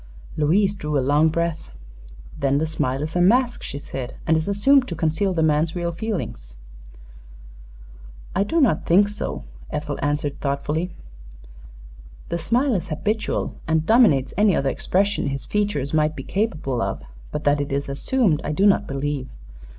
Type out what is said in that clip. Louise drew a long breath. "Then the smile is a mask," she said, "and is assumed to conceal the man's real feelings." "I do not think so," Ethel answered, thoughtfully. "The smile is habitual, and dominates any other expression his features might be capable of; but that it is assumed I do not believe.